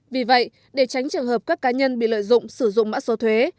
vì vậy để tránh trường hợp các cá nhân bị lợi dụng sử dụng mạng su thuế